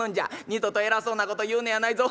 二度と偉そうなこと言うねやないぞ」。